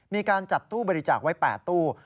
มีการจัดตู้บริจาคไว้๘ตู้